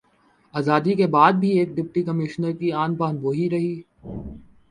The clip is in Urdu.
آزادی کے بعد بھی ایک ڈپٹی کمشنر کی آن بان وہی رہی